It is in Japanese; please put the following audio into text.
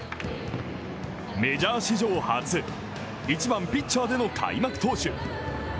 メジャー史上初、１番・ピッチャーでの開幕投手。